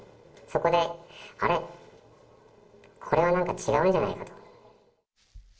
そこで、あれ、これは何か違うんじゃないかと。